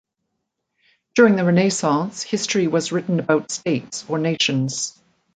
During the Renaissance, history was written about states or nations.